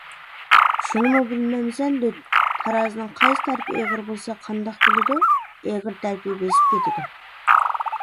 _ شۇنىمۇ بىلمەمسەن دۆت، تارازىنىڭ قايسى تەرىپى ئېغىر بولسا قانداق بولىدۇ؟ _ ئېغىر تەرىپى بېسىپ كېتىدۇ.